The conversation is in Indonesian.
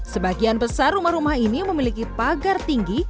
sebagian besar rumah rumah ini memiliki pagar tinggi